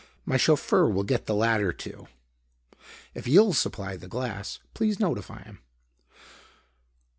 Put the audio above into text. My chauffeur will get the latter two, if you'll supply the glass. Please notify him."